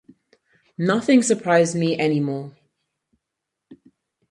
Nothing surprises me any more.